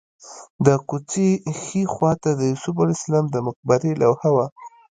د کوڅې ښي خوا ته د یوسف علیه السلام د مقبرې لوحه وه.